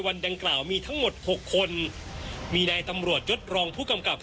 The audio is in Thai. วันดังกล่าวมีทั้งหมดหกคนมีนายตำรวจยดรองผู้กำกับ